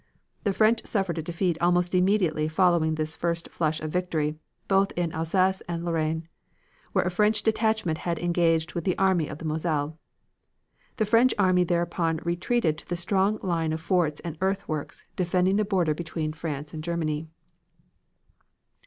The French suffered a defeat almost immediately following this first flush of victory, both in Alsace and in Lorraine, where a French detachment had engaged with the Army of the Moselle. The French army thereupon retreated to the strong line of forts and earthworks defending the border between France and Germany.